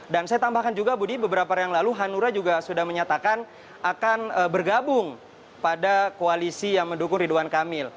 dan saya tambahkan juga budi beberapa hari yang lalu hanura juga sudah menyatakan akan bergabung pada koalisi yang mendukung ridwan kamil